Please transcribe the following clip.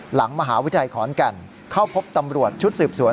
หลังมหาวิทยาลัยขอนแก่นเข้าพบตำรวจชุดสืบสวน